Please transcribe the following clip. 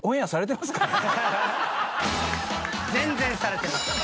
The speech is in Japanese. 全然されてます。